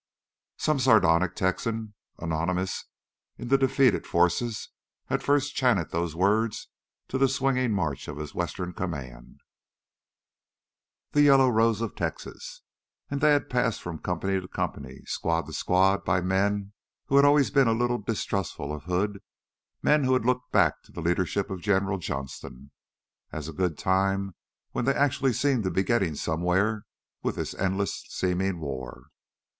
Some sardonic Texan, anonymous in the defeated forces, had first chanted those words to the swinging march of his western command "The Yellow Rose of Texas" and they had been passed from company to company, squad to squad, by men who had always been a little distrustful of Hood, men who had looked back to the leadership of General Johnston as a good time when they actually seemed to be getting somewhere with this endless seeming war.